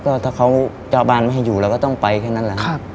ก็ถ้าเขาเจ้าบ้านไม่ให้อยู่เราก็ต้องไปแค่นั้นแหละ